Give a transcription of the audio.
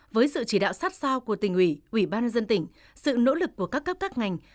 với sự chỉ đạo sát sao của tỉnh ủy ủy ban dân tỉnh sự nỗ lực của các cấp các ngành